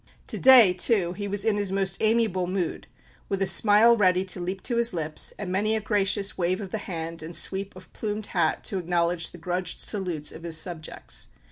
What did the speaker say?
To day, too, he was in his most amiable mood, with a smile ready to leap to his lips, and many a gracious wave of the hand and sweep of plumed hat to acknowledge the grudged salutes of his subjects.